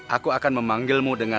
aku akan memanggilmu dengan